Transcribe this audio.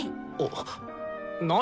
何？